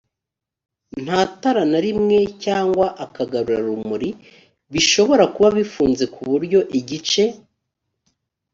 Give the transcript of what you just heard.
nta tara na rimwe cyangwa akagarurumuri bishobora kuba bifunze ku buryo igice